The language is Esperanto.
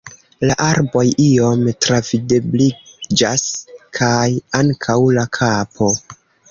La arboj iom travidebliĝas, kaj ankaŭ la kapo…